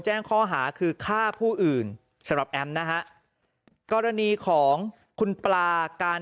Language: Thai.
แจ้งข้อหาคือฆ่าผู้อื่นสำหรับแอมนะฮะกรณีของคุณปลาการ